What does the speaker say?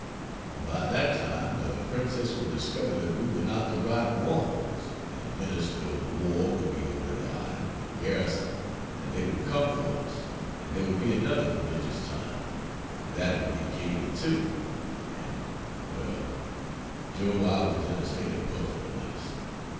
And by that time the princess would discover that we were not the right ones, and the Minister of War would be ordered out, and the garrison, and they would come for us, and there would be another prodigious time, and that would get cabled too, and well, Joe, I was in a state of perfect bliss.